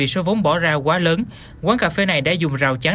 không bỏ ra quá lớn quán cà phê này đã dùng rào chắn